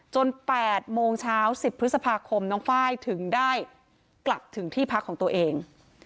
๘โมงเช้า๑๐พฤษภาคมน้องไฟล์ถึงได้กลับถึงที่พักของตัวเอง